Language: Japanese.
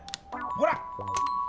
ほら。